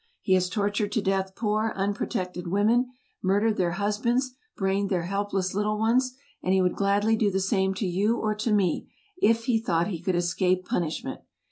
He has tortured to death poor, unprotected women, murdered their husbands, brained their helpless little ones; and he would gladly do the same to you or to me, if he thought he could escape punishment.